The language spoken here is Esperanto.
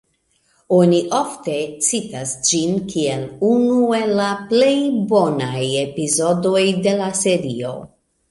Oni ofte citas ĝin kiel unu el la plej bonaj epizodoj de la serio.